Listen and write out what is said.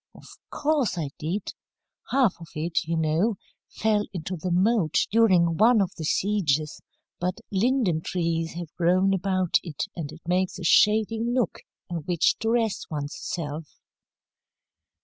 "Of course I did. Half of it, you know, fell into the moat during one of the sieges, but linden trees have grown about it, and it makes a shady nook in which to rest one's self."